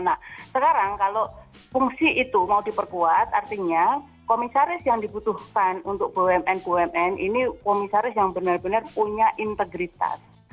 nah sekarang kalau fungsi itu mau diperkuat artinya komisaris yang dibutuhkan untuk bumn bumn ini komisaris yang benar benar punya integritas